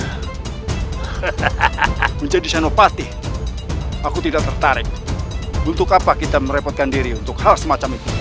hahaha menjadi senopati aku tidak tertarik untuk apa kita merepotkan diri untuk hal semacam itu